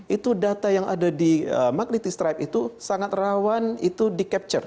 itu data yang ada di magniti stripe itu sangat rawan itu di capture